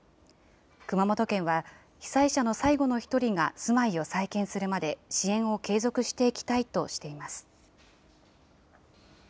熊本県は、被災者の最後の１人が住まいを再建するまで、支援を継続していきたいとしています。